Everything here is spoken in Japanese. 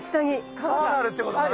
川があるってことだな。